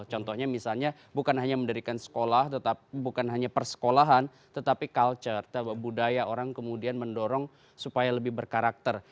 contohnya misalnya bukan hanya mendirikan sekolah tetapi bukan hanya persekolahan tetapi culture budaya orang kemudian mendorong supaya lebih berkarakter